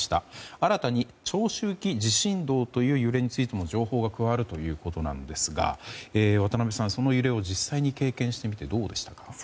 新たに、長周期地震動という揺れについても情報が加わるということなんですが渡辺さん、その揺れを実際に経験してみてどうでしたか。